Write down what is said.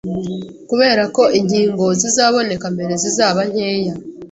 Kubera ko inkingo zizaboneka mbere zizaba nkeya,